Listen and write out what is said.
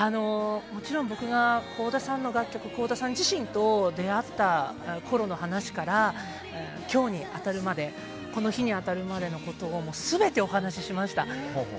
もちろん、僕が倖田さんの楽曲や倖田さん自身と出会ったころの話から今日に至るまでこの日に至るまでのことを全てをお話ししました。